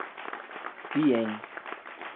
Piên